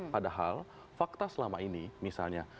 padahal fakta selama ini misalnya